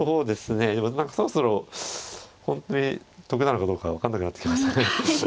何かそろそろ本当に得なのかどうか分かんなくなってきましたね。